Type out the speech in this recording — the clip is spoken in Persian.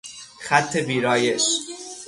خط ویرایش